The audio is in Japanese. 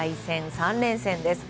３連戦です。